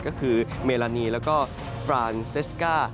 ก็คือเมลานีแล้วก็ฟรานเซสก้า